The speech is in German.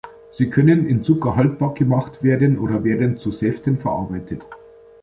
Sie können in Zucker haltbar gemacht werden oder werden zu Säften verarbeitet.